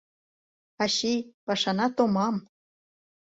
— Ачий, пашана томам...